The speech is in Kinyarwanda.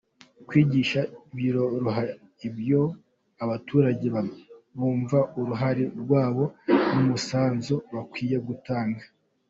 kwigisha biroroha iyo abaturage bumva uruhare rwabo n’umusanzu bakwiye gutanga.